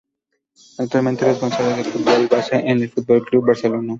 Actualmente es responsable del fútbol base en el Fútbol Club Barcelona.